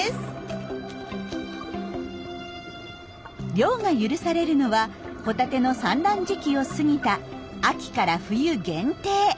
漁が許されるのはホタテの産卵時期を過ぎた秋から冬限定。